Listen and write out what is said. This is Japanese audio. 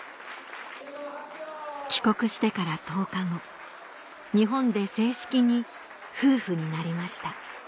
帰国してから１０日後日本で正式に夫婦になりました